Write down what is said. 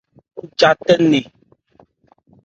Nmɔja 'tha nné.